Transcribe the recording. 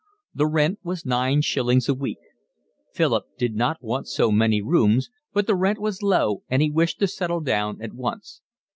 The rent was nine shillings a week. Philip did not want so many rooms, but the rent was low and he wished to settle down at once.